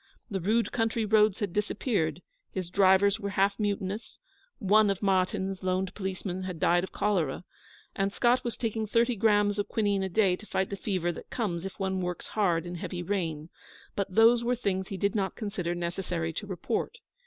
The rude country roads had disappeared; his drivers were half mutinous; one of Martyn's loaned policemen had died of cholera; and Scott was taking thirty grains of quinine a day to fight the fever that comes if one works hard in heavy rain; but those were things he did not consider necessary to report.